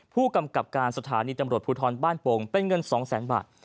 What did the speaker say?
ผู้กำกับการสถานีตำรวจภูทรบ้านโป่งเป็นเงิน๒แสนบาท